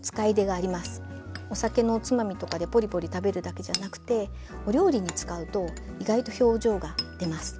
お酒のおつまみとかでポリポリ食べるだけじゃなくてお料理に使うと意外と表情が出ます。